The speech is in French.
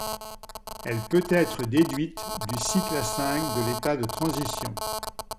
Elle peut être déduite du cycle à cinq de l'état de transition.